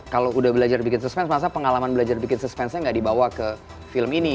kalau udah belajar bikin suspense masa pengalaman belajar bikin suspense nya gak dibawa ke film ini